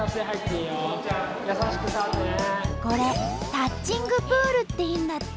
これ「タッチングプール」っていうんだって！